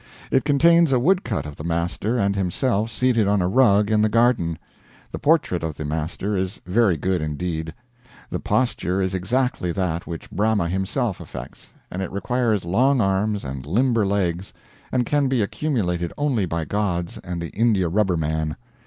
It contains a wood cut of the master and himself seated on a rug in the garden. The portrait of the master is very good indeed. The posture is exactly that which Brahma himself affects, and it requires long arms and limber legs, and can be accumulated only by gods and the india rubber man.